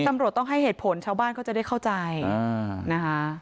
ตำรวจต้องให้เหตุผลชาวบ้านเขาจะได้เข้าใจนะคะ